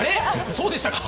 そうでしたか？